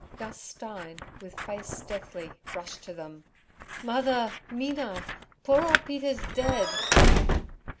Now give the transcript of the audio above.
Gus Stein, with face deathly, rushed to them. 'Mother! Mina! poor old Peter's dead!'